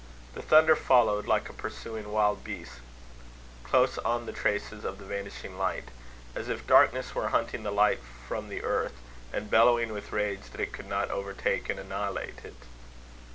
The thunder followed, like a pursuing wild beast, close on the traces of the vanishing light; as if the darkness were hunting the light from the earth, and bellowing with rage that it could not overtake and annihilate it.